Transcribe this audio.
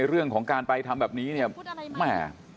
เรื่องของการไปทำแบบนี้เนี่ยแม่